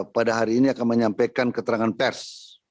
pada hari ini akan menyampaikan keterangan pers